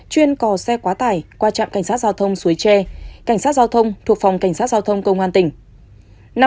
chuyên cò xe quá tải qua trạm cảnh sát giao thông suối tre cảnh sát giao thông thuộc phòng cảnh sát giao thông công an tỉnh